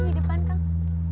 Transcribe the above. di depan kang